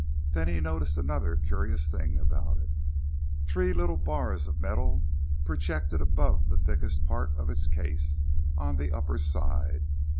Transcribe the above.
Then he noticed another curious thing about it. Three little bars of metal projected above the thickest part of its case, on the upper side.